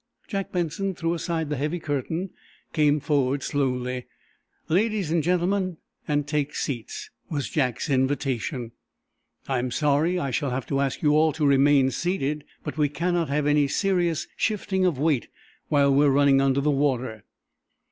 "Jack Benson threw aside the heavy curtain, come forward, slowly ladies and gentlemen, and take seats," was Jack's invitation. "I am sorry I shall have to ask you all to remain seated, but we cannot have any serious shifting of weight while we are running under the water."